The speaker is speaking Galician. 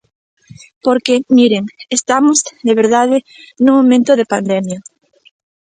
Porque, miren, estamos, de verdade, nun momento de pandemia.